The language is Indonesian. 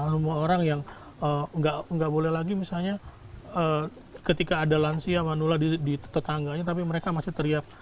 rumah orang yang nggak boleh lagi misalnya ketika ada lansia manula di tetangganya tapi mereka masih teriak